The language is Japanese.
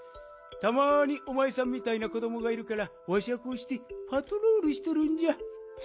たまにおまえさんみたいな子どもがいるからわしはこうしてパトロールしとるんじゃ。